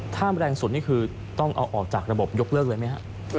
ถ้าแรงสุดนี่คือต้องเอาออกจากระบบยกเลิกเลยไหมฮะ